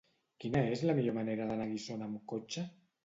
Quina és la millor manera d'anar a Guissona amb cotxe?